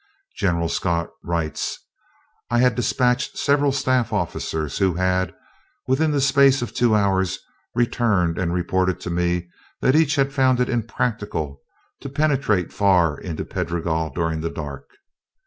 General Scott writes: "I had despatched several staff officers who had, within the space of two hours, returned and reported to me that each had found it impracticable to penetrate far into the Pedregal during the dark.